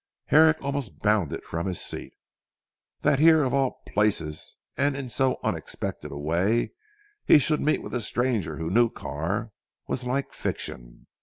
Herrick almost bounded from his seat. That here of all places and in so unexpected a way, he should meet with a stranger who knew Carr, was like fiction.